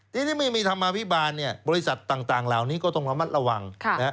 ที่นี่ไม่มีชาญแล้วบริษัทต่างเรานี่ก็ต้องประมาณระวัง